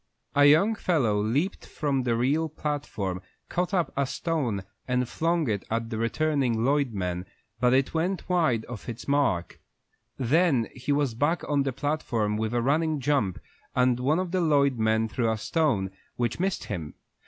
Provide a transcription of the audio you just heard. A young fellow leaped from the rear platform, caught up a stone and flung it at the returning Lloyd men, but it went wide of its mark. Then he was back on the platform with a running jump, and one of the Lloyd men threw a stone, which missed him.